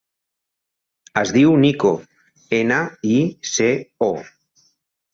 Es diu Nico: ena, i, ce, o.